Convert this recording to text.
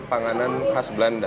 panganan khas belanda